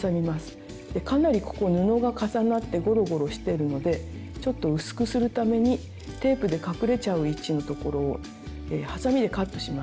かなりここ布が重なってゴロゴロしてるのでちょっと薄くするためにテープで隠れちゃう位置のところをはさみでカットします。